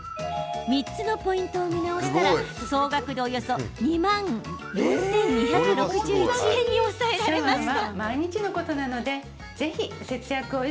３つのポイントを見直したら総額でおよそ２万４２６１円に抑えられました。